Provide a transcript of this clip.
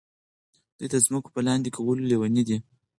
دوی د ځمکو په لاندې کولو لیوني دي.